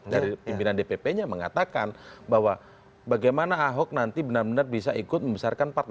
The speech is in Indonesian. dari pimpinan dpp nya mengatakan bahwa bagaimana ahok nanti benar benar bisa ikut membesarkan partai